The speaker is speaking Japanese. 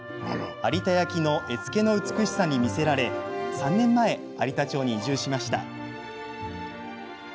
有田焼の絵付けの美しさに魅せられ３年前、有田町に移住しました。